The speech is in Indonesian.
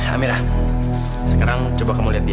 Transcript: amirah sekarang coba kamu lihat dia